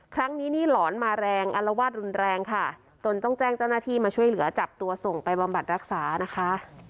ครั้งนี้นี่หลอนมาแรงอัลวาดรุนแรงค่ะตนต้องแจ้งเจ้าหน้าที่มาช่วยเหลือจับตัวส่งไปบำบัดรักษานะคะ